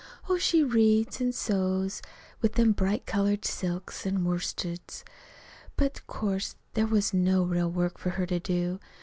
Oh, she read, an' sewed with them bright colored silks an' worsteds; but 'course there wasn't no real work for her to do.